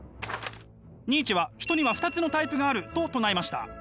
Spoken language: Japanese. ニーチェは人には２つのタイプがあると唱えました。